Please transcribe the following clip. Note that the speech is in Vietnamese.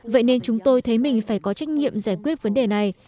vậy nên chúng tôi thấy mình phải có trách nhiệm giải quyết vấn đề này